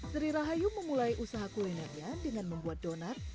sri rahayu memulai usaha kulinernya dengan membuat donat